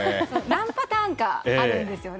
何パターンかあるんですよね。